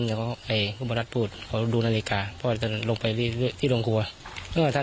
อยู่ที่สาแชนี้แหละ